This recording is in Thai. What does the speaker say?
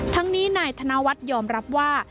ทั้งนี้นายธนวัฒน์ยอมรับว่า